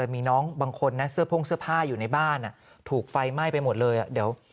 อะไรมีน้องส่วนบางคนซั่วโพ่งเสื้อผ้าอยู่ในบ้านนะถูกไฟไหม้ไปหมดเลยเดี๋ยว